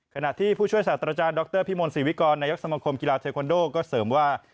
ขณะที่ผู้ช่วยศาสตราจารย์ดรพิมลศรีวิกรนายกสมคมกีฬาเทควันโดก็เสริมว่า